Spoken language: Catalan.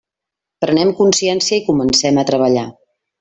Prenem consciència i comencem a treballar.